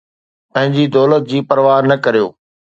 پنهنجي دولت جي پرواهه نه ڪريو